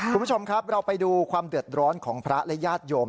คุณผู้ชมครับเราไปดูความเดือดร้อนของพระและญาติโยม